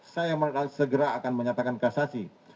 saya segera akan menyatakan kasasi